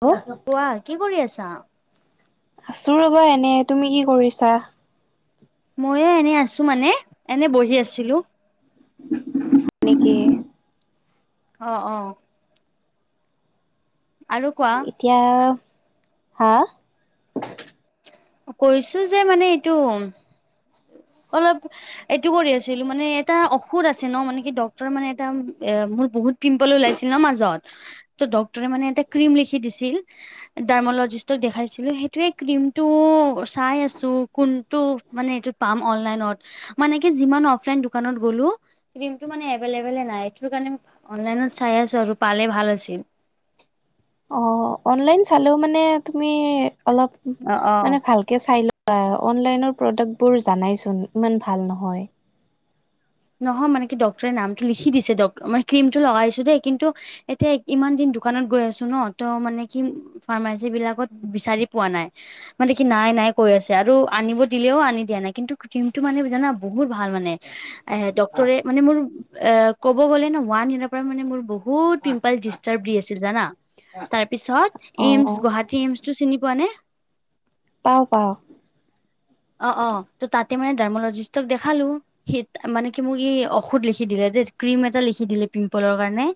অ কোৱা কি কৰি আছা? আছো ৰ'বা এনে তুমি কি কৰিছা? ময়ো এনে আছো মানে, এনে বহি আছিলো। [unintelligible] অ অ'। আৰু কোৱা? এতিয়া হা? কৈছো যে মানে এইটো অলপ এইটো কৰি আছিলো, মানে এটা ঔষধ আছে ন মানে কি ডক্টৰ মানে এটা মোৰ বহুত পিম্পল ওলাইছিল ন মাজত ত ডক্তৰে মানে এটা ক্ৰীম লিখি দিছিল। ডাৰ্মলজিষ্টক দেখাইছিলো সেইটোয়ে ক্ৰীম টো চাই আছো, কোনটো মানে এইটো পাম অনলাইনত মানে কি যিমান অফলাইন দোকানত গ'লো ক্ৰীমটো মানে এভেইলেবলে নাই। এইটোৰ কাৰণে অনলাইনত চাই আছো আৰু পালে ভাল আছিল। অ অনলাইন চালেও মানে তুমি অলপ অ', অ', মানে ভাল কে চাই লোবা। অনলাইনৰ প্ৰডাক্ট বোৰ জানাইচোন ইমান ভাল নহয়। নহয় মানে কি ড্টৰে নামটো লিখি দিছে ড মই ক্ৰীমটো লগাইছো দেই কিন্তু এতিয়া ইমান দিন দোকানত গৈ আছো ন ত মানে কি ফাৰ্মাচী বিলাকত বিচাৰি পোৱা নাই। মানে কি নাই নাই কৈ আছে, আৰু আনিব দিলেও আনি দিয়া নাই। কিন্তু ক্ৰিমটো মানে জানা বহুত ভাল মানে এ ডক্টৰেট মানে মোৰ এই ক'ব গ'লে ন ওৱান ইয়ৰ পৰা মানে মোৰ বহুত পিম্প ডিষ্টাৰ্ব দি আছিল জানা। তাৰ পিছত অ এইমচ গুৱাহাটী এইমচ টো চিনি পোৱা নে? অৱ পাওঁ। অৱ অৱ ত' তাতে মানে ডাৰ্মলজিষ্টক দেখালো সেইট মানে কি মোক ই ঔষধ লিখি দিলে যে ক্ৰীম এটা লিখি দিলে পিম্পলৰ কাৰণে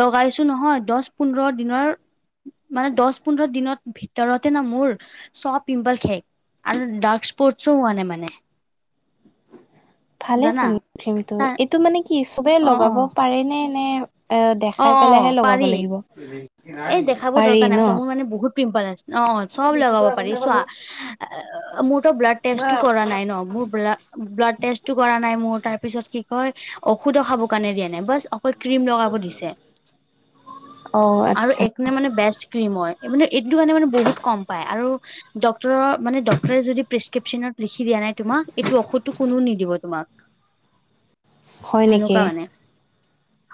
লগাইছো নহয় দহ পোন্ধৰ দিনৰ মানে দহ পোন্ধৰ দিনৰত ভিতৰতে ন মোৰ চব পিম্পল শেষ আৰু দাক এক্সপৰ্টছো হোৱা নাই মানে। ভালে জানা চোন ক্ৰীমটো তাৰ এইটো মানে কি চবে অ অ লগাব পাৰে নে নে এ অ দেখাই অ পেলাইহে লগাব পাৰি লাগিব। এই দেখাবৰ পাৰি দৰকাৰ নাই, ন চ' মোৰ মানে বহুত পিম্পল আছে অৱ। চব লগাব পাৰি চোৱা মোৰতো ব্লাড টেষ্টো কৰা নাই ন মোৰ ব্লাড ব্লাড টেষ্টটো কৰা নাই মোৰ তাৰ পিছত কি কয় ঔষধো খাব কাৰণে দিয়া নাই বাছ অকল ক্ৰীম লগাব দিছে। অ আচ্ছা। মানে মানে বেচ ক্ৰীম হয় মানে এইটো কাৰণে মানে বহুত কম পায় আৰু ডক্টৰৰ মানে ডক্টৰে যদি প্ৰেছক্ৰিপশ্যনত লিখি দিয়া নাই তোমাক এইটো ঔষধটো কোনোও নিদিব তোমাক। [unintelligible] হয় নেকি, সেনেকুৱা মানে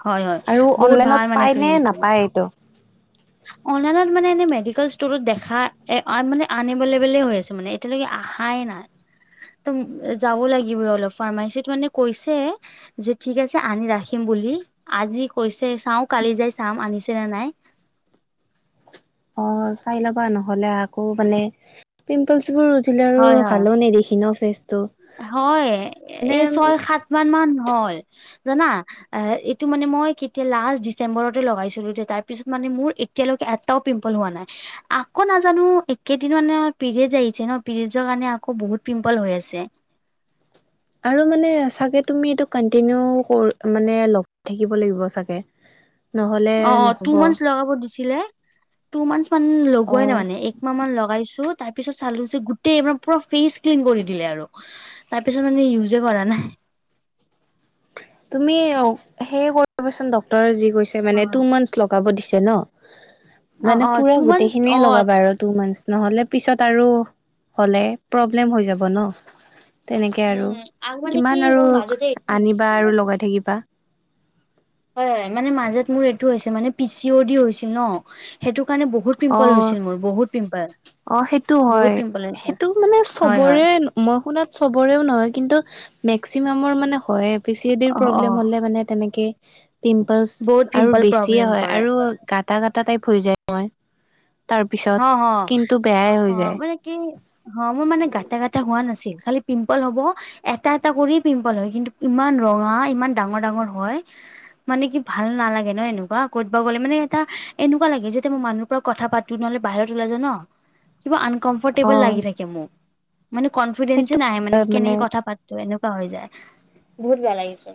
হয় হয় আৰু বহুত ভাল অনলাইনত মানে পায় নে ক্ৰীমটো নাপায় এইটো? অনলাইনত মানে এনে মেডিকেল ষ্টৰত দেখা মানে আনবলেলে হৈ আছে মানে। এতিয়ালৈকে আহাই নাই ত' যাব লাগিবই অলপ ফাৰ্মাচিতত মানে কৈছে। যে ঠিক আছে আনি ৰাখিম বুলি আজি কৈছে চাওঁ কালি যাই চাম আনিছে নে নাই। অ চাই লবা নহ'লে আকৌ মানে পিম্পলচ বোৰ থাকিলেও আৰু হয় হয় ভালো নেদেখি ন ফেচটো। হয় মানে এই ছয় সাত মান মান হ'ল জানা। এই এইটো মানে মই কেতিয়া লাষ্ট ডিচেম্বৰতে লগাইছিলো তাৰপিছত মানে মোৰ এতিয়ালৈকে এটাও পিম্পল হোৱা নাই। আকৌ নাজানো একেদিন মানে পিৰিয়ড আহিছে ন পিৰিয়ডৰ কাৰণে আকৌ বহুত পিম্পল হৈ আছে। আৰু মানে চাগে তুমি এইটো কন্টিনিউ কৰ মানে লগ থাকিব লাগিব চাগে। [unintelligible] অৱ অৱ টু নহ'ব মানছ লগাব দিছিলে। টু মান্থচ মানছ অ লগোৱাই নাই মানে একমাহ মান লগাইছো। তাৰ পিছত চালো যে গোটেই পুৰা ফেচ ক্লিন কৰি দিলে আৰু তাৰ পিছত মানে ইউজে কৰা নাই। তুমি সেই কৰিবচোন ডক্তৰে যি কৈছে মানে টু মানছ লগাৱ দিছে ন অ মানে অ পুৰা টু গোটেই মান্থচ অ খিনিয় লগাবা আৰু টু মানছ নহ'লে পিছত আৰু হ'লে প্ৰব্লেম হৈ যাব ন। তেনেকে আৰু উম আৰু মানে কি কিমান আৰু মোৰ মাজতে এইটো আনিবা হৈছিল আৰু লগাই থাকিবা। হয় হয় মানে মাজত মোৰ এইটো হৈছে মানে পিচি অ দি হৈছিল ন সেইটো কাৰণে বহুত পিম্পল হৈছিল মোৰ বহুত পিম্পল। অৱ সেইটো বহুত হয় পিম্পল হৈছে সেইটো মানে হয় হয় চবৰে মই শুনাত চবৰেও নহয় কিন্তু মেক্সিমামৰ মানে হয়ে এ। পি চি এ ডিৰ অ অ প্ৰব্লেম হ'লে মানে তেনেকে পিম্পলছ বহুত আৰু পিম্পল বেছিয়ে প্ৰব্লেম হয় কৰে আৰু গাটা গাটা টাইপ হৈ যায় মই তাৰ হ পিছত হ অ স্কিনটো বেয়াই হৈ যায় মানে কি অ মোৰ মানে গাতে গাতে হোৱা নাছিল খালী পিম্পল হ'ব এটা এটা কৰি পিম্পল হয় কিন্তু ইমান ৰঙা ইমান ডাঙৰ ডাঙৰ হয়। মানে কি ভাল নালাগে ন এনেকুৱা ক'তবা গ'লে মানে এটা এনেকুৱা লাগে যেতিয়া মই মানুহৰ পৰা কথা পাত টো নহ'লে বাহিৰত ওলাই য ন, কিবা অ আনকমফৰ্টেবল লাগি থাকে মোক। মানে কনফিডেন্ঞ্চে সেইটো নাহে মানে কি কেনেকে কথা পাতো এনেকুৱা হৈ যায় বহুত বেয়া লাগিছে।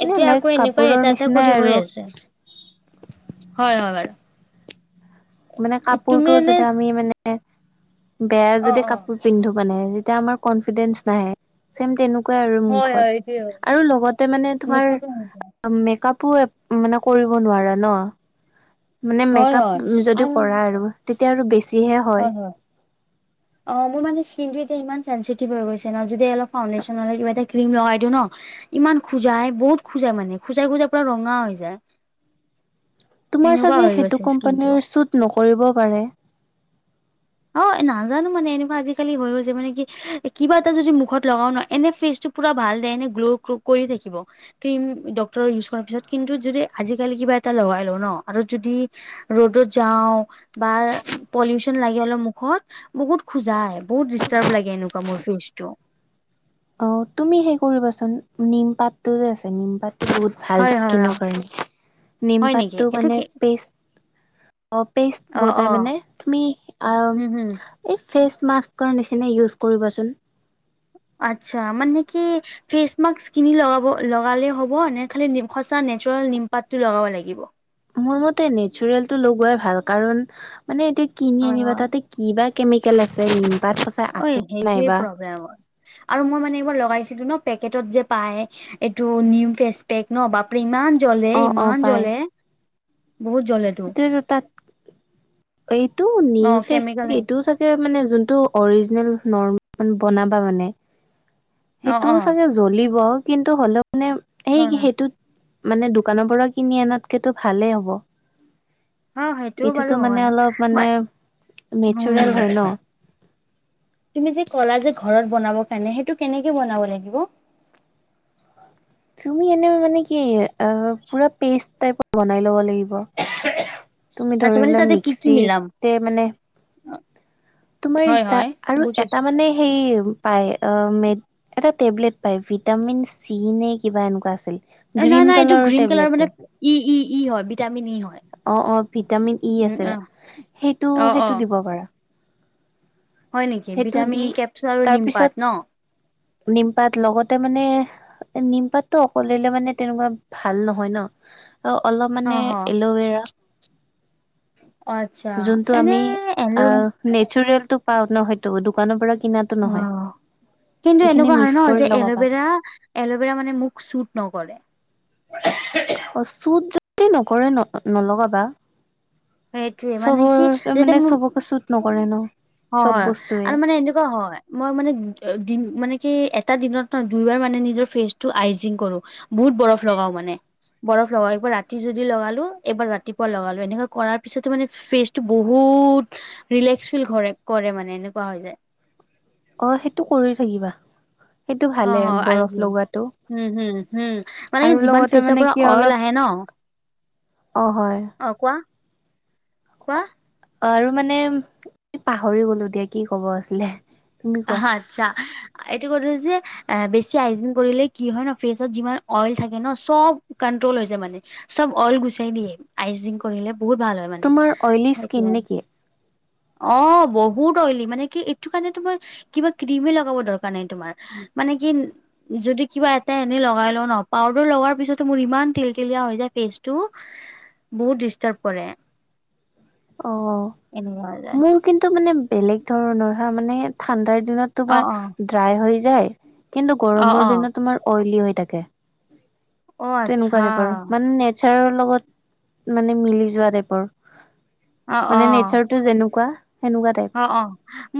এনে এতিয়া লাইক আকৌ এনেকুৱাই কাপোৰৰ এটা এটা নিচিনাই কৰি আৰু হৈ আছে। হয় হয় বাৰু। মানে তুমি কাপোৰতটো এনে যদি আমি মানে বেয়া যদি অ', অ', কাপোৰ পিন্ধো মানে যেতিয়া আমাৰ কনফিডেন্ঞ্চ নাহে। চেম তেনেকুৱাই আৰু হয় মুখত হয় এইটোৱে হয় আৰু লগতে মানে তোমাৰ মুখতো মেক আপো মানে কৰিব নোৱাৰা ন মানে হয় মেকপ হয় যদি কৰা আৰু তেতিয়া আৰু বেছিহে হয়। অ মোৰ মানে স্কিনটো এতি ই চেঞ্চিটিভ হৈ গৈছে ন যদি অলপ ফাণ্ডেশ্যনলে কিবা এটা ক্ৰীম লগাই দিওঁ ন ইমান খোজাই বহুত খোজাই মানে খোজাই খোজাই পুৰা ৰঙা হৈ যায়। তোমাৰ সেনেকুৱা চাগে হৈ সেইটো গৈছে স্কিনটো কোম্পানীৰ শ্বুত নকৰিবও পাৰে। অ নাজানো মানে এনেকুৱা আজিকালি হৈ গছে মানে কি কিবা এটা যদি মুখত লগাও ন এনে ফেচটো পুৰা ভাল দেনে গ্ল' ৰ্কো কৰি থাকিব। ক্ৰীম ডক্তৰৰ ইউজ কৰাৰ পিছত কিন্তু যদি আজিকালি কিবা এটা লগাই লওঁ ন আৰু যদি ৰ'দত যাওঁ বা পলিউশন লাগ- সি মুখত বহুত খোজাই বহুত ডিষ্টাৰ্ব লাগে এনেকুৱা মোৰ ফেচটো। অ তুমি সেই কৰিবাচোন নিমপাতটো যে আছে নিমপাতো বহুত ভাল হয় হয় হয় স্কিনৰ কাৰণে হয় নেকি? নিমপাতটো এইটো কি মানে পেষ্ট অ পেষ্ট অ', বতাই অ', মানে তুমি আম হম, হম, এই ফেচ মাস্ককনৰ নিচিনা ইউজ কৰিবচোন। আত্চ্ছা মানে কি? ফেচ মাস্ক কিনি লগাব লগালে হ'ব নে খালে নি সঁচা নেচাৰেল নিমপাতটো লগাব লাগিব। মোৰ মতে নেচাৰেল টো লগোৱাই ভাল কাৰণ মানে এতিয়া কিনি হয়, আনিবা হয়। তাতে কিবা কেমিকেল আছে, নিমপাত খছ ঐ সেইটোৱে প্ৰব্লেম হয়। আৰু মই মানে এইবাৰ লগাইছিলো ন পেকেটত যে পায় এইটো নিম ফেচ পেক ন বাপৰে ইমান জ্বলে অ', অ', ইমান পাই জ্বলে, বহুত জ্বলেটো সেইটো তাত এইটো নিম অ', ফেইচ কেমিকেল অ', এইটোও চাগ যে মানে যোনটো অৰিজিনেল নৰ মন বনাবা মানে সেইটোও অ', চাগে জ্বলিব কিন্তু হ'লেও মানে সেই হয়, হয়, সেইটোত মানে দোকানৰ পৰা কিনি আনাতকেটো ভালেই হ'ব। অ', সেইটোও বাৰু এইটোতো মানে হয়। অলপ মানে মই উম, নেচৰেল হয় ন। তুমি যে কলা যে ঘৰত বনাব কাৰণে সেইটো কেনেকে বনাব লাগিব? তুমি এনে মানে কি পুৰা পেষ্ট টাইপৰ বনাই ল'ব লাগিব। তুমি ধৰি লোৱা মিক্সিতে মানে অ তোমাৰ ইচ্ছা আৰু এটা মানে সেই পায় অ মেত এটা টেবলেট পায় ভিটামিন চি নে কিবা এনেকুৱা আছিল। এ নাই গ্ৰীণ নাই এইটো কালাৰৰ গ্ৰীণ কালাৰ টেবলেটটো মানে ই ই ই হয় ভিটামিন ই হয়। অ অ ভিটামিন ই উম, আছিলে আহ, সেইটো অ', সেইটো অ'। দিব পাৰা। হয় নেকি সেইটো দি ভিটামিন ই কেপচুল আৰু নিমপাত তাৰপিছত ন। নিমপাত লগতে মানে নিমপাতটো অকল দিলে মানে তেনেকোৱা ভাল নহয় ন অ অলপ মানে অ', হ। এল'ভেৰা অ আতছা এনে এল নেচৰেলটো পাও নহয়তো দোকানৰ পৰা কিনাত অ কিন্তু এনেকোৱা হয় ন কৰি যে লগাবা এলভেৰা এলভেৰা মানে মোক চুত নকৰে অ চুত যদি নকৰে ন নলগাবা সেইটোৱে মানে কি চবৰ যেতিয়া মানে মোৰ চবকে চুট নকৰে ন হয় চব হয় বস্তুৱে আৰু মানে এনেকোৱা হয় মই মানে দিন মানে কি এটা দিনত ন দুইবাৰ মানে নিজৰ ফেচটো আইজিং কৰো বহুত বৰফ লগাও মানে বৰফ লগাও একবাৰ ৰাতি যদি লগালো এবাৰ ৰাতিপুৱা লগালো এনেকোৱা কৰাৰ পিছতো মানে ফেচটো বহুত ৰিলেক্স ফিল কৰে কৰে মানে এনেকোৱা হলে অ সেইটো কৰি থাকিবা সেইটো অ ভালে হয় বৰফ আইজিং লগোৱাতো উম হুম হুম মানে কি যিমান ফেচৰ মানে পৰা কি অইল অলপ আহে ন অ হয় অ কোৱা কোৱা অ আৰু মানে পাহৰি গলো দিয়া কি কব আছিলে তুমি কোৱা আহা ইচ্ছা এইটো কৰো যে আ বেছি আইজিং কৰিলে কি হয় ন ফেচত যিমান অইল থাকে ন চব কন্ট্ৰল হৈ যায় মানে চব অইল গুচাই দিয়ে আইজিং কৰিলে বহুত ভাল হয় মানে তোমাৰ অইলী সেইটোৱে স্কিন নে কি অ বহুত অইলি মানে কি এইটো কাৰণেতো মই কিবা ক্ৰিমে লগাব দৰকাৰ নাই তোমাৰ মানে কি যদি কিবা এটা এনেই লগাই ল ন পাউদাৰ লগোৱাৰ পিছতো মোৰ ইমান তিল তিলিয়া হৈ যায় ফেচটো বহুত ডিষ্টাৰ্ব কৰে অ এনেকুৱা হৈ যায় মোৰ কিন্তু মানে বেলেগ ধৰণৰ হা মানে ঠাণ্ডাৰ দিনত অ তোমাৰ অ ড্ৰাই হৈ যায় কিন্তু অ অ গৰমৰ দিনত তোমাৰ অইলি হৈ থাকে অ তেনেকোৱাে আচ্ছা টাইপৰ মানে নেত চাৰৰ লগত মানে মিলি যোৱা টাইপৰ অ মানে অ নেচাৰ টো যেনেকোৱা সেনেকোৱা টাইপ অ অ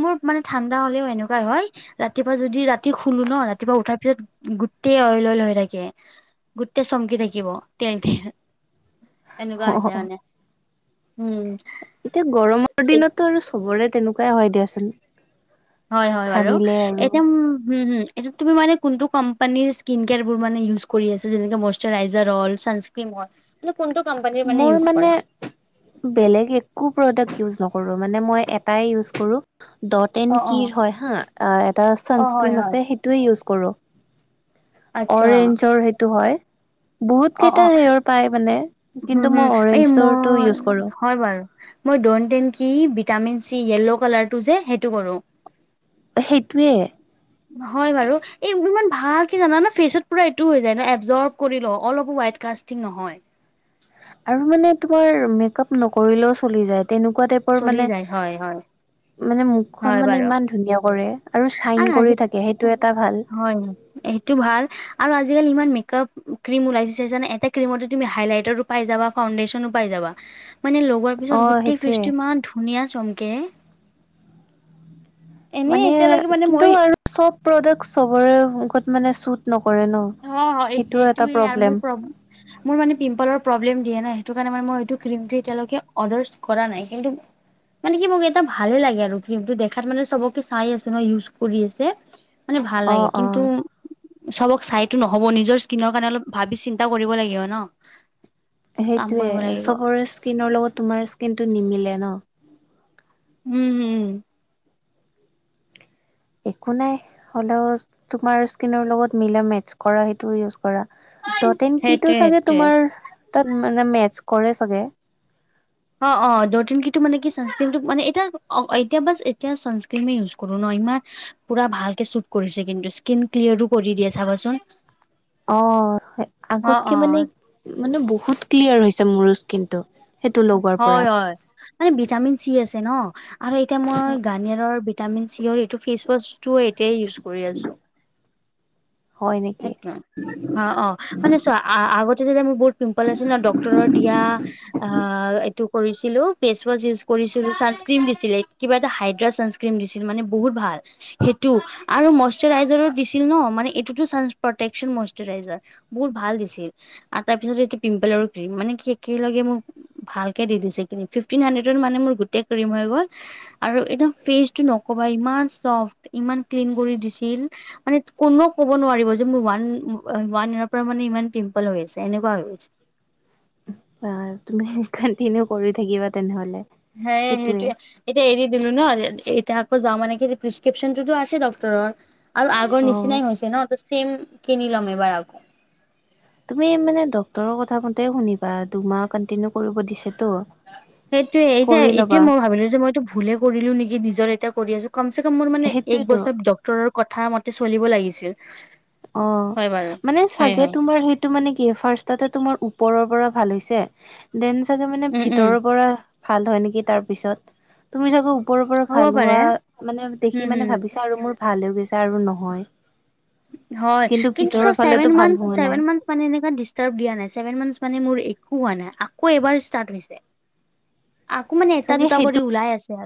মোৰ মানে ঠাণ্ডা হ'লেও এনেকোৱাই হয় ৰাতিপুৱা যদি ৰা তি শুলো ন ৰাতিপুৱা উঠাৰ পিছত গোটেই অইল অইল হৈ থাকে গোটেই চমকি থাকিব তেল তেল এনেকোৱা অ হৈছে মানে উম এতিয়া গৰমৰ দিনততো আৰু চবৰে তেনেকোৱাই হয় দিয়া চোন হয় হয় বাৰু এতিয়া ম হম হম এইটো তুমি মানে কোনটো কোম্পানীৰ স্কিন কেয়াৰবোৰ মানে ইউজ কৰি আছা যেনেকে মইচুৰাইজাৰ হল চানস্ক্ৰীণ হল তুমি কোনটো কম্পানীৰ মানে ইউজ কৰা বেলেগ একো প্ৰডাক্ট ইউজ নকৰো মানে মই এটাই ইউজ কৰো ডত এন অ অ কি হয় হা আ এটা অ হয় চানস্ক্ৰীণ হয় আছে সেইটোৱে ইউজ কৰো। আচ্ছা অৰেঞ্জৰ সেইটো হয় বহুত অ অ কেইটা সেইয়ৰ পাই মানে হুম, কিন্তু হুম, মই এই অৰেঞ্জৰটো মই ইউজ কৰো হয় বাৰু মই ডত এন কি ভিটামিন চি য়েল্ল' কালাৰটো যে সেইটো কৰো এ সেইটোৱে হয় বাৰু এই ইমান ভালকে জানা না ফ্ৰিচত পুৰা এইটো হৈ যায় ন এবজ্ব কৰি লও অলপো ৱাইড কাষ্ট ঠিক নহয় আৰু মানে তোমাৰ মেকআপ নকৰিলেও চলি যায় তেনেকুৱা টাইপৰ চলি মানে যায় হয়, হয়, মানে মুখখন হয় মানে বাৰু ইমান ধুনীয়া কৰে আৰু চাইন কৰি থাকে সেইটো এটা ভাল হয় সেইটো ভাল আৰু আজিকালি ইমান মেকআপ ক্ৰীম ওলাইছে যানে এটা ক্ৰীমতে তুমি হাইলাইটাতো পাই যাবা ফাউণ্ডেচনো পাই যাবা মানে লগোৱাৰ অ পিছত গোটেই ফেচ্ সেইটোয়ে টো ইমান ধুনীয়া চমকে এনে মানে এতিয়ালৈকে মানে কিন্তু মই আৰু চব প্ৰডাক চবৰে মূখত মানে চুত নকৰে ন অ হয় সেইটোও এটা সেইটোয়ে আৰু মোৰ প্ৰব্লেম মোৰ মানে পিম্পলৰ প্ৰব্লেম দিয়ে না সেইটো কাৰনে মই এইটো ক্ৰীমটো এতিয়ালৈকে অৰ্ডাৰচ্ কৰা নাই কিন্তু মানে কি মোক এটা ভালে লাগে আৰু ক্ৰীমটো দেখাত মানে চবকে চাই আছো নহয় ইউজ কৰি আছে মানে ভাল অ লাগে অ কিন্তু চবক চাই টো নহব নিজৰ স্কিনৰ কাৰণে অলপ ভাবি চিন্তা কৰিব লাগিব ন কাম কৰিব সেইটোয়ে লাগিব চবৰে স্কিনৰ লগত তোমাৰ স্কিন টো নিমিলে ন উম হুম একো নাই হ'লেও তোমাৰ স্কিনৰ লগত মিলা মেটচ কৰা সেইটো ইউজ কৰা দটেন কিটো সেইটোৱে চাগে সেইটোৱে তোমাৰ তাত মানে মেথছ কৰে চাগে অ অ দটেন কিটো মানে কি ছানস্ক্ৰীমটো মানে এতিয়া এতিয়া বাছ এতিয়া ছানস্ক্ৰীমে ইউজ কৰো ন ইমান পুৰা ভালকে শ্বুট কৰিছে কিন্তু স্কিন ক্লিয়াৰো কৰি দিয়ে চাবাচোন অ অ আগতকে অ মানে মানে বহুত ক্লিয়াৰ হৈছে মোৰো স্কিন টো হয় হয় মানে ভিটামিন চি আছে ন আৰু এতিয়া মই গাৰ্নিয়াৰৰ ভি ভিটামিন চি অৰ এইটো ফেচৱাছটো এতিয়াই ইউজ কৰি আছোঁ হয় নেকি এটোৱেই অ অ মানে চোৱা আ আগতে যেতিয়া মানে বহুত পিম্পল আছিল না ডক্তৰৰ দিয়া আ এইটো কৰিছিলোঁ ফেচ ৱাছ ইউজ কৰিছিলো ছানস্ক্ৰীম দিছিলে কিবা এটা হাইড্ৰা চানস্ক্ৰীম দিছিলে মানে বহুত ভাল সেইটো আৰু মষ্টৰাইজাৰো দিছিল ন মানে এট সেইটোতো চানছ প্ৰটেকচন মষ্টৰাইজাৰ বহুত ভাল দিছিল আৰু তাৰপিছত এইটো পিম্পল আৰু ক্ৰীম মানে কি একেলগে মোক ভালকে দি দিছে কি ফিফটিন হাণ্ডেতত মানে মোৰ গোটেই ক্ৰীম হৈ গ'ল আৰু এদম ফেচটো নকবা ইমান চফ্ট ইমান ক্লিন কৰি দিছিল মানে কোনো ক'ব নোৱাৰিব যে মোৰ ওৱান ওৱান ইয়াৰৰ পৰা মানে ইমান পিম্পল হৈ আছে এনেকুৱা হৈ গৈছে বা তুমি কন্টিনিউ কৰি থাকিবা তেনেহলে হে সেইটোয়ে সেইটোৱে এতিয়া এৰি দিলো ন এতিয়া আকৌ যাওঁ মানে কি প্ৰেচক্ৰিপশ্যন টো আছে ডক্টৰৰ আৰু আগৰ অ নিচিনাই হৈছে ন ত চেম কিনি ল'ম এবাৰ আকৌ তুমি মানে ডক্তৰৰ কথা মতে শুনিবা দুমাহ কণ্টিনিউ কৰিব দিছে তো সেইটোয়ে এতিয়া এইটোয়ে মই ভাবিলো যে মইটো ভুলে কৰিলো নিকি নিজৰ এতিয়া কৰি আছো কমচেকম মোৰ মানে এক সেইটোয়েতো বছৰ ডক্টৰৰ কথা মতে চলিব লাগিছিল অ হয় বাৰু মানে হয় চাগে হয়। তোমাৰ সেইট টো মানে কি ফাৰ্ষ্টতে তোমাৰ ওপৰৰ পৰা ভাল হৈছে দেন চাগে মানে উম উম ভিতৰৰ পৰা ভাল হয় নিকি তাৰ পিছত তুমি চাগে ওপৰৰ পৰা হ'ব ভাল পাৰে হোৱা মানে উম দেখি মানে হম। ভাবিছা আৰু মোৰ ভাল হৈ গৈছা আৰু নহয় হয় কিন্তু ভিতৰৰ চোৱা ফালেতো চেভেন ভাল মাঞ্চ হোৱা নাই চেভেন মাঞ্চ মানে এনেকুৱা দিষ্টাব দিয়া নাই, ছেভেন মান্টচ মানে মোৰ একো হোৱা নাই, আকৌ এইবাৰ ইষ্টাট হৈছে। [inaudible] আকৌ মানে এটা চাগে দুটা সেই কৰি ওলাই আছে।